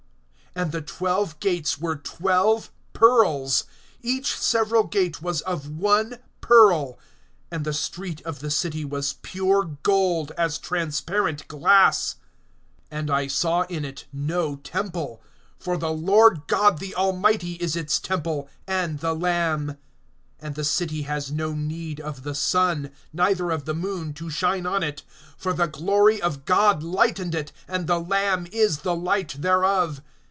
(21)And the twelve gates were twelve pearls; each several gate was of one pearl; and the street of the city was pure gold, as transparent glass. (22)And I saw in it no temple; for the Lord God the Almighty is its temple, and the Lamb. (23)And the city has no need of the sun, neither of the moon, to shine on it; for the glory of God lightened it, and the Lamb is the light thereof.